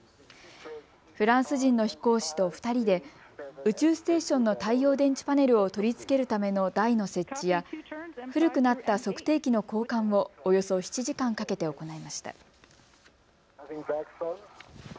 フランス人の飛行士と２人で宇宙ステーションの太陽電池パネルを取り付けるための台の設置や古くなった測定機の交換をおよそ７時間かけて行いました。